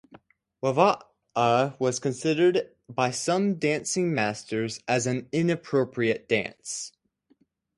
Lavolta was considered by some dancing masters as an inappropriate dance.